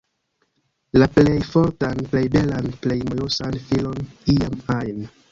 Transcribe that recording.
La plej fortan, plej belan, plej mojosan filon iam ajn